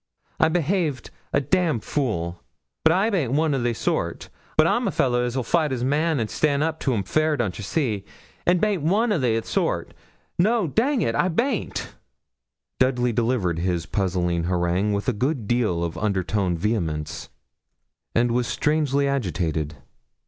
'I behaved a d fool; but I baint one o' they sort. I'm a fellah as 'ill fight his man, an' stan' up to 'm fair, don't ye see? An' baint one o' they sort no, dang it, I baint.' Dudley delivered his puzzling harangue with a good deal of undertoned vehemence, and was strangely agitated.